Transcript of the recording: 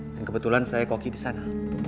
dan kebetulan saya koki di sana